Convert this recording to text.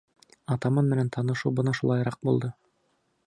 Атаман менән танышыу бына шулайыраҡ булды.